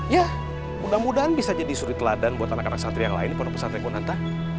ya mudah mudahan bisa jadi suri teladan buat anak anak santri yang lain di pondok pesantren kunanta